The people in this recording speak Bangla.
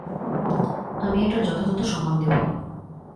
আমি এটার যথাযথ সম্মান দেবো।